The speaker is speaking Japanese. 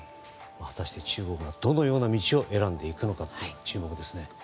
果たして中国がどのような道を選んでいくのか注目ですね。